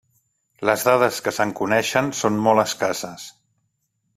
Les dades que se'n coneixen són molt escasses.